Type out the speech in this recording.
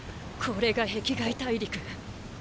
これが壁外大陸。